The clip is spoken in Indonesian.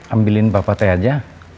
ambilin papa teh aja